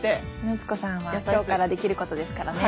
夏子さんは今日からできることですからね。